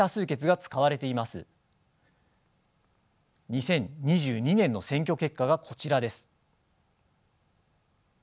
２０２２年の選挙結果がこちらです。